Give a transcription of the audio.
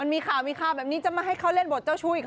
มีข่าวมีข่าวแบบนี้จะมาให้เขาเล่นบทเจ้าชู้อีก